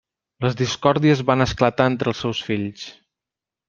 Les discòrdies van esclatar entre els seus fills.